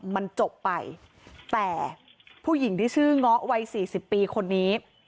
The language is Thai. มันจบไปแต่ผู้หญิงที่ชื่อเงาะวัยสี่สิบปีคนนี้